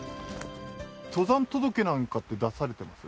登山届なんかって出されてます？